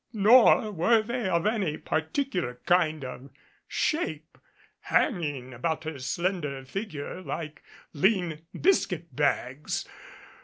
Nor were they of any particular kind of shape, hanging about her slender figure like lean biscuit bags.